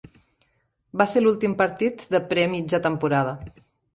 Va ser l'últim partit de pre-mitja temporada.